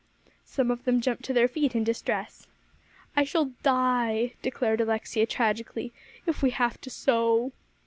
Some of them jumped to their feet in distress. "I shall die," declared Alexia tragically, "if we have to sew."